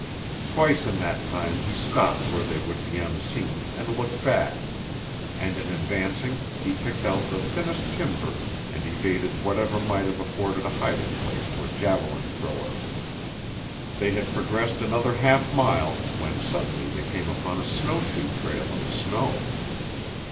Twice in that time he stopped where they would be unseen and looked back, and in advancing he picked out the thinnest timber and evaded whatever might have afforded a hiding place to a javelin thrower. They had progressed another half mile when suddenly they came upon a snowshoe trail in the snow.